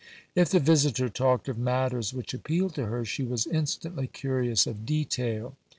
If the visitor talked of matters which appealed to her, she was instantly curious of detail.